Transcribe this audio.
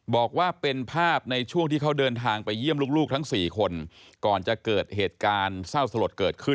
บอกว่าเป็นภาพในช่วงที่เขาเดินทางไปเยี่ยมลูกทั้ง๔คนก่อนจะเกิดเหตุการณ์เศร้าสลดเกิดขึ้น